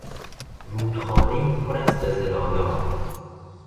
رودخانهای پر از قزلآلا